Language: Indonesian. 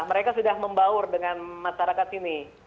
mereka sudah membaur dengan masyarakat sini